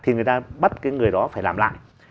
thì người ta bắt cái người đó phải làm lại